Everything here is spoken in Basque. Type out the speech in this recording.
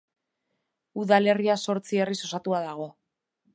Udalerria zortzi herriz osatua dago.